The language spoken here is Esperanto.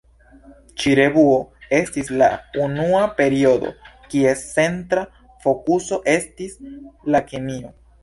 Ĉi-revuo estis la unua periodo kies centra fokuso estis la kemio.